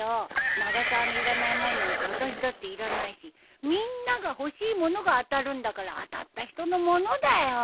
永沢のいらないもんなんて私だっていらないしみんなが欲しいものが当たるんだから当たった人のものだよ。